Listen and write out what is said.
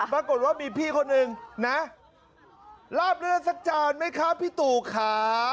มากดว่ามีพี่คนหนึ่งนะราบเลือดสักจานไหมคะพี่ตู่ขา